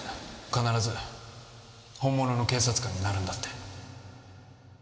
必ず本物の警察官になるんだって。